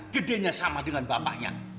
gedenya sama dengan bapaknya